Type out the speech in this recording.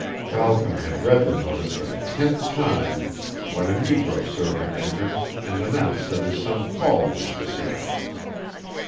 Balcom had read the notice for the tenth time when a negro servant entered and announced that his son Paul wished to see him.